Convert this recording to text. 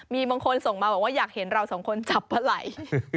มีบางคนส่งมาบอกว่าอยากเห็นเราสองคนจับปลาไหล่